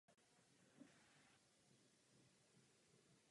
Nechceme nezaměstnanost mladých lidí.